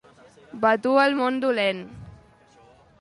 Vatua el món dolent!